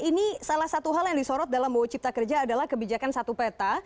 ini salah satu hal yang disorot dalam wow cipta kerja adalah kebijakan satu peta